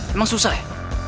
emang susah ya